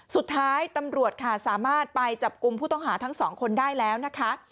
สุดท้ายตำรวจค่ะสามารถไปจับกลุ่มผู้ต้องหาทั้งสองคนได้แล้วนะคะ